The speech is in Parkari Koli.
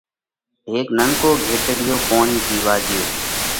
هيڪ ننڪو گھيٽڙِيو پوڻِي پيوا ڳيو۔